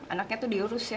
anaknya tuh diurus ya